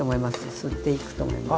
吸っていくと思います。